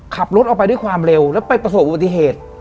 ขับรถออกไปด้วยความเร็วแล้วไปประสบอุบัติเหตุ